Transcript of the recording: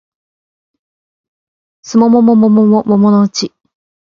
季も桃も桃のうち